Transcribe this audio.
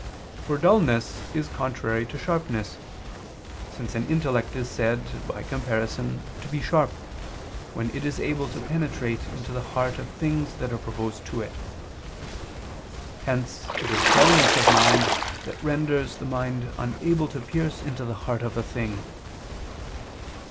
For dulness is contrary to sharpness, since an intellect is said, by comparison, to be sharp, when it is able to penetrate into the heart of the things that are proposed to it. Hence it is dulness of mind that renders the mind unable to pierce into the heart of a thing.